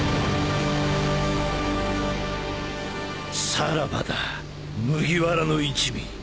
さらばだ麦わらの一味。